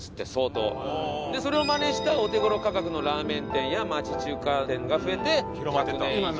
それをマネしたお手頃価格のラーメン店や町中華店が増えて１００年以上。